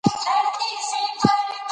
افغانستان کې اقلیم د خلکو د خوښې وړ ځای دی.